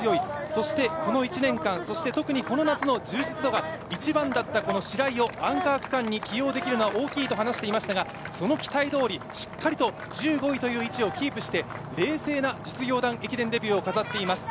そして、この１年間、特にこの夏の充実度が一番だったアンカー区間に起用できるは大きいと話していましたがその期待どおり、しっかりと１５位という位置をキープして冷静な実業団駅伝デビューを果たしています。